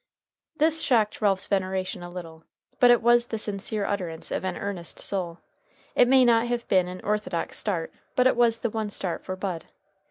This shocked Ralph's veneration a little. But it was the sincere utterance of an earnest soul. It may not have been an orthodox start, but it was the one start for Bud.